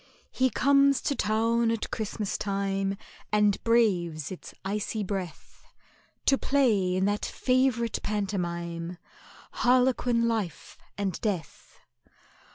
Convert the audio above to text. He comes to town at Christmas time, And braves its icy breath, To play in that favourite pantomime, Harlequin Life and Death.